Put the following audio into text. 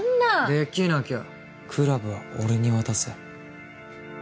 できなきゃクラブは俺に渡せ。